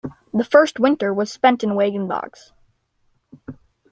The first winter was spent in a wagon box.